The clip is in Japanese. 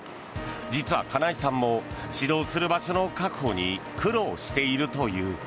実は金井さんも指導する場所の確保に苦労しているという。